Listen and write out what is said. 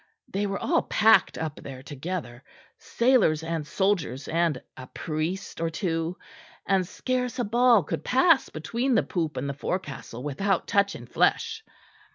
They were all packed up there together sailors and soldiers and a priest or two; and scarce a ball could pass between the poop and the forecastle without touching flesh."